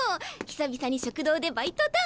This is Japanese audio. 久々に食堂でバイトだ。